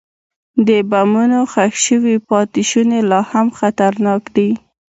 د بمونو ښخ شوي پاتې شوني لا هم خطرناک دي.